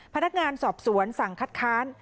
พนักงานสอบสวนสั่งคัดค้าน